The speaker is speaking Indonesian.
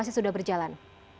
masih sudah berjalan